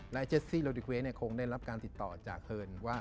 แล้วไอ้เจสซีโลดิเกรสเนี่ยคงได้รับการติดต่อจากเคิร์นว่า